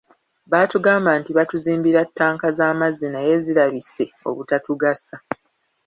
Baatugamba nti batuzimbira ttanka z'amazzi naye zirabise obutatugasa.